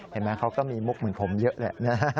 เห็นไหมเขาก็มีมุกเหมือนผมเยอะแหละนะฮะ